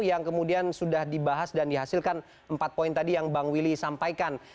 yang kemudian sudah dibahas dan dihasilkan empat poin tadi yang bang willy sampaikan